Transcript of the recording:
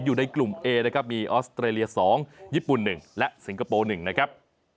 อยู่ในกลุ่มเอนะครับมีออสเตรเลีย๒ญี่ปุ่น๑และสิงคโปร์๑นะครับ